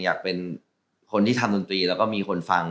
อยากเป็นคนที่ทำดนตรีแล้วก็มีคนฟัง